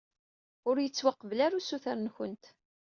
Ur yettwaqbel ara usuter-nkent.